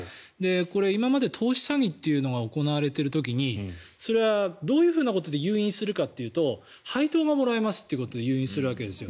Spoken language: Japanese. これ、今まで投資詐欺というのが行われている時にそれはどういうふうなことで誘引するかというと配当がもらえますということで誘引するわけですよ。